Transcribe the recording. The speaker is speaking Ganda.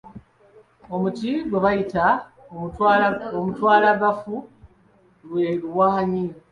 Omuti gwe bayita omutwalabafu lwe luwaanyi